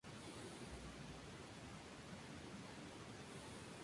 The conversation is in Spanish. Esta cultura fue la última que tuvo la provincia de San Antonio.